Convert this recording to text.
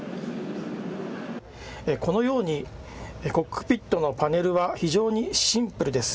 このようにコックピットのパネルは非常にシンプルです。